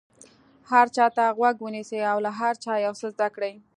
هر چا ته غوږ ونیسئ او له هر چا یو څه زده کړئ.